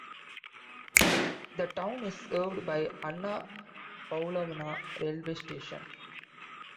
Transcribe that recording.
The town is served by Anna Paulowna railway station.